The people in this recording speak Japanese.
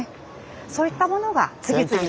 そういったものが次々と。